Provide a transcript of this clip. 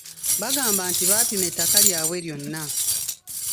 Bagamba nti baapima ettaka lyabwe lyona.